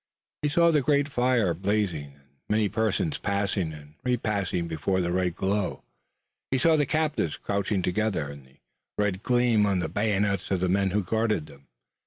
He saw the great fire blazing and many persons passing and repassing before the red glow. He saw the captives crouching together, and the red gleam on the bayonets of the men who guarded them.